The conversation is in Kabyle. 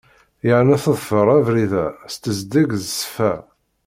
Yerna teḍfer abrid-a s tezdeg d ssfa.